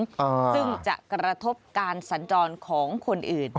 ซึ่งจะกระทบการสัญจรของคนอื่น